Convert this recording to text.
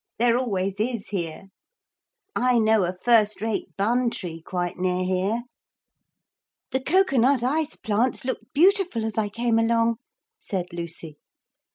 There always is, here. I know a first rate bun tree quite near here.' 'The cocoa nut ice plants looked beautiful as I came along,' said Lucy.